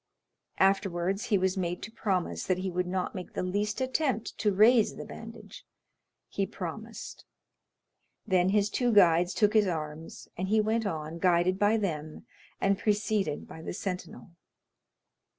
Afterwards he was made to promise that he would not make the least attempt to raise the bandage. He promised. Then his two guides took his arms, and he went on, guided by them, and preceded by the sentinel.